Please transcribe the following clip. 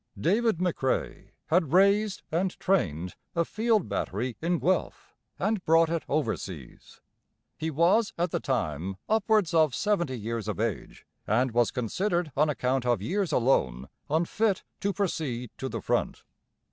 David McCrae had raised, and trained, a field battery in Guelph, and brought it overseas. He was at the time upwards of seventy years of age, and was considered on account of years alone "unfit" to proceed to the front.